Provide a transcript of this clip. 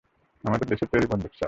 আমাদের দেশের তৈরি বন্দুক, স্যার।